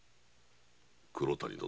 黒谷殿